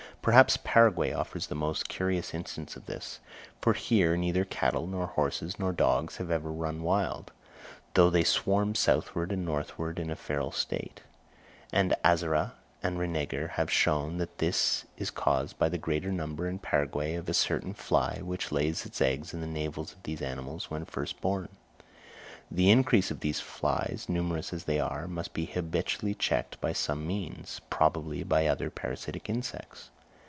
Perhaps Paraguay offers the most curious instance of this; for here neither cattle nor horses nor dogs have ever run wild, though they swarm southward and northward in a feral state; and Azara and Rengger have shown that this is caused by the greater number in Paraguay of a certain fly, which lays its eggs in the navels of these animals when first born. The increase of these flies, numerous as they are, must be habitually checked by some means, probably by other parasitic insects.